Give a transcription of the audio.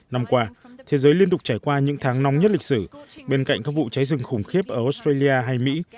năm qua thế giới liên tục trải qua những tháng nóng nhất lịch sử bên cạnh các vụ cháy rừng khủng khiếp ở australia hay mỹ